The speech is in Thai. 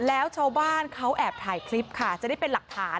แล้วชาวบ้านเขาแอบถ่ายคลิปค่ะจะได้เป็นหลักฐาน